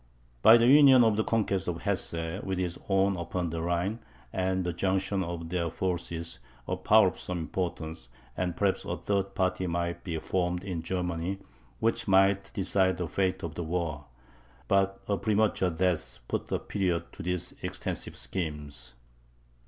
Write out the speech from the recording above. By the union of the conquests of Hesse, with his own upon the Rhine, and the junction of their forces, a power of some importance, and perhaps a third party, might be formed in Germany, which might decide the fate of the war. But a premature death put a period to these extensive schemes.